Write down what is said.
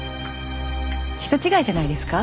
人違いじゃないですか？